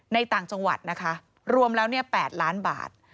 ต่างจังหวัดนะคะรวมแล้ว๘ล้านบาท